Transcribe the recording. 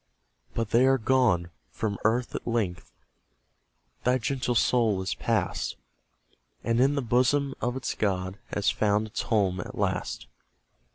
But they are gone; from earth at length Thy gentle soul is pass'd, And in the bosom of its God Has found its home at last.